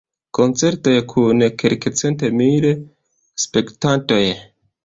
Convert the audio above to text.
Koncertoj kun kelkcentmil spektantoj.